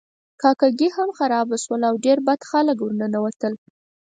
کاکه ګي هم خرابه شوه او ډیر بد خلک ورننوتل.